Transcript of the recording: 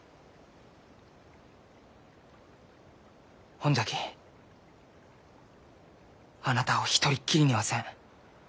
ほんじゃきあなたを一人っきりにはせん。